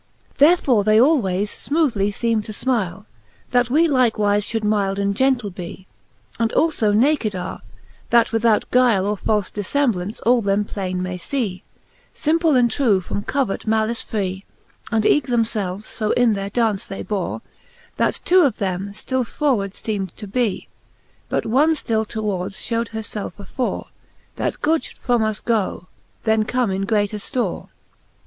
Therefore they alwaies fmoothly feeme to fmile, That we Hkewife fliould mylde and gentle be, And alfo naked are, that without guile Or falfe diflemblaunce all them plainc may fee, Simple and true, from covert malice free : And eeke them felves fo in their daunce they bore, That two of them ftill forward feem'd to bee, ' But one ftill towards fhew'd her felte afore ; That good fhould from us goe, then come in greater ftore.